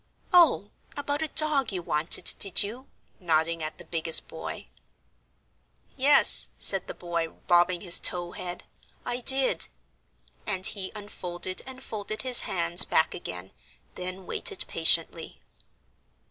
"Oh, about a dog, you wanted, did you?" nodding at the biggest boy. "Yes," said the boy, bobbing his tow head, "I did;" and he unfolded and folded his hands back again, then waited patiently.